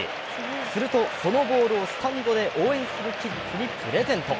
すると、そのボールをスタンドで応援するキッズにプレゼント。